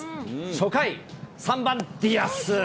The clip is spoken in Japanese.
初回、３番ディアス。